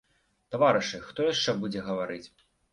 Таварышы, хто яшчэ будзе гаварыць.